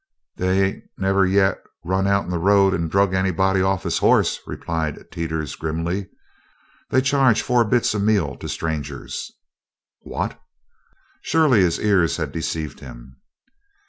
"They ain't never yit run out in the road and drug anybody off his horse," replied Teeters grimly. "They charge four bits a meal to strangers." "What?" Surely his ears had deceived him.